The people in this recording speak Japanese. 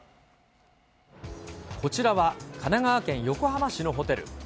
こちらは、神奈川県横浜市のホテル。